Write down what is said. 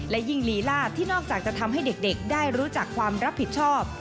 และยิ่งลีลาที่นอกจากจะทำให้เด็กได้รู้จักความรับผิดชอบ